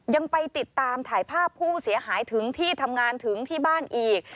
ยังไปติดตามถ่ายภาพผู้เสียหายถึงที่ทำงานถึงที่บ้านอีก